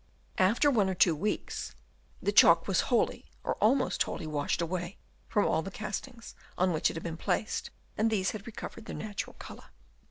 After one or two weeks, the chalk was wholly or almost wholly washed away from all the castings on which it had been placed, and these had recovered their natural colour.